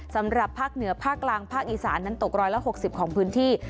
สำหรับภาคเหนือภาคกลางภาคอีสานนั้นตกร้อยละ๖๐ของพื้นที่